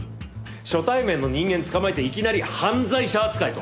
初対面の人間つかまえていきなり犯罪者扱いとは！